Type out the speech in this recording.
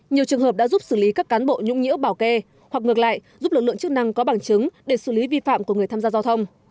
nhiều trường hợp đã giúp xử lý các cán bộ nhũng nhĩa bảo kê hoặc ngược lại giúp lực lượng chức năng có bằng chứng để xử lý vi phạm của người tham gia giao thông